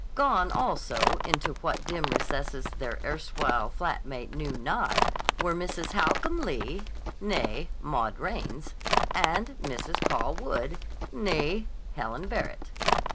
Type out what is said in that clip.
Gone also, into what dim recesses their erstwhile flat mate knew not, were Mrs. Holcomb Lee, née Maud Raines, and Mrs. Paul Wood, née Helen Barrett.